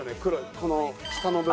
この下の部分。